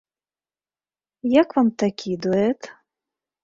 Як вам такі дуэт?